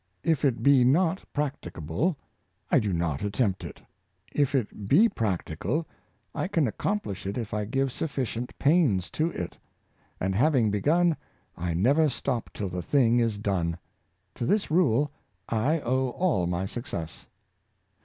If it be not practi cable, I do not attempt it. If it be practicable, I can accomplish it if I give sufficient pains to it; and having begun, I never stop till the thing is done. To this rule I owe all my success."